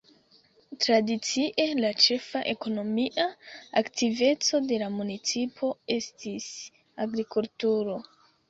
Tradicie la ĉefa ekonomia aktiveco de la municipo estis agrikulturo.